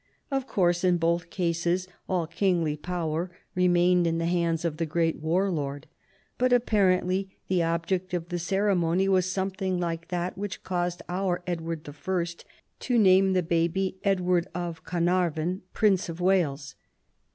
Of course in both cases all kingly power remained in the hands of the great War lord ; but apparently the object of the ceremony Avas something like that which caused our Edward I. to name the baby Edward of Caernarvon, Prince of Wales.